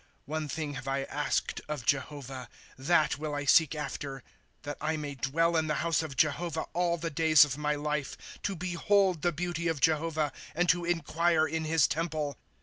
* One thing have T asked of Jehovah, That will I seek after ; That I may dwell in the house of Jehovah all the days of my life, To behold the beauty of Jehovah, And to inquire in his temple.